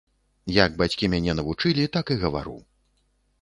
Як бацькі мяне навучылі, так і гавару.